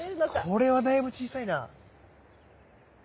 これはだいぶ小さいな。